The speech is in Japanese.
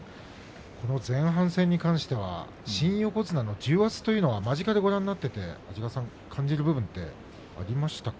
この前半戦に関しては新横綱の重圧というのは間近でご覧になっていて感じる部分が、ありましたか。